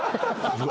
うわ！